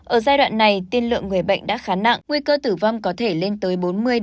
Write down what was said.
ở giai đoạn này tiên lượng người bệnh đã khá nặng nguy cơ tử vong có thể lên tới bốn mươi